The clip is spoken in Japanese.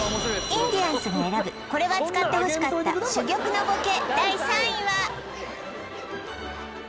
インディアンスが選ぶこれは使ってほしかった珠玉のボケ